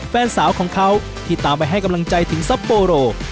แฟนสาวของเขาที่ตามไปให้กำลังใจถึงซัปโปโร